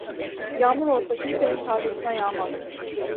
Yağmur olsa kimsenin tarlasına yağmaz.